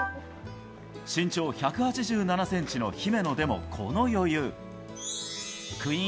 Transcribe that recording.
身長１８７センチの姫野でもこの余裕。